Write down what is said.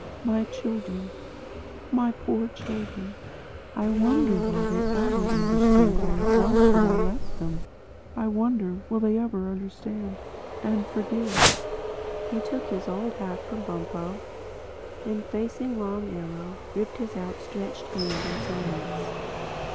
My children, my poor children!—I wonder will they ever understand why it was I left them.... I wonder will they ever understand—and forgive." He took his old hat from Bumpo; then facing Long Arrow, gripped his outstretched hand in silence.